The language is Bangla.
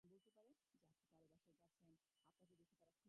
তাঁদের সম্বন্ধে যদি মাঝে মাঝে আপনার সঙ্গে আলাপ-আলোচনা করি তা হলে কি– রসিক।